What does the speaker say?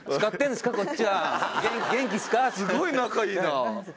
すごい仲いいな。